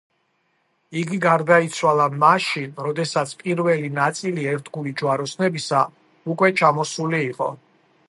იგი გარდაიცვალა მაშინ, როდესაც პირველი ნაწილი ერთგული ჯვაროსნებისა უკვე ჩამოსული იყო.